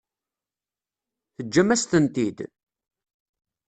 Teǧǧam-as-tent-id?